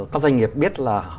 các doanh nghiệp biết là